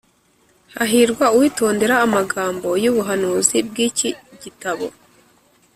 Hahirwa uwitondera amagambo y’ubuhanuzi bw’iki gitabo.”